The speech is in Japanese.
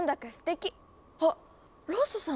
あっロッソさん